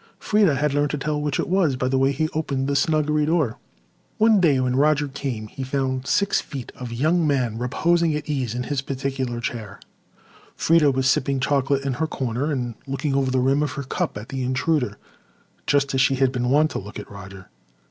Freda had learned to tell which it was by the way he opened the snuggery door. One day when Roger came he found six feet of young man reposing at ease in his particular chair. Freda was sipping chocolate in her corner and looking over the rim of her cup at the intruder just as she had been wont to look at Roger.